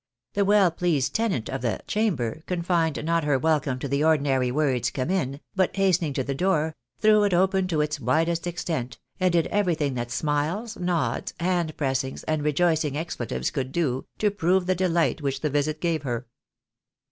The weU pleased tenant of the " chamber," confined not her welcome to the ordinary words " come in," but hastening to the door, threw it open to its widest extent, and did everything A VERT GENTEEL AIE. 85 that smiles, nods, hand pressings, and rejoicing expletives could do, to prove the delight which the visit gave her.